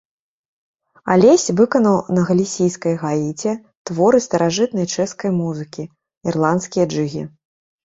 Алесь выканаў на галісійскай гаіце творы старажытнай чэшскай музыкі, ірландскія джыгі.